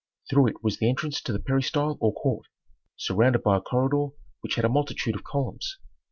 Through it was the entrance to the peristyle or court, surrounded by a corridor which had a multitude of columns.